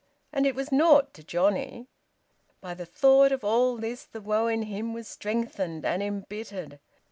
And it was naught to Johnnie! By the thought of all this the woe in him was strengthened and embittered.